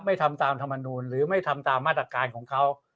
ทำตามธรรมนูลหรือไม่ทำตามมาตรการของเขา